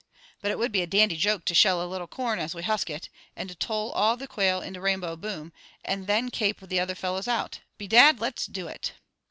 But it would be a dandy joke to shell a little corn as we husk it, and toll all the quail into Rainbow Bottom, and then kape the other fellows out. Bedad! Let's do it."